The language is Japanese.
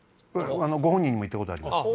ご本人にも言ったことあります